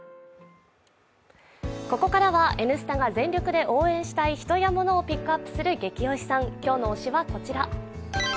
ここからは、「Ｎスタ」が全力で応援したい人やモノをピックアップする「ゲキ推しさん」今日の推しは、こちら。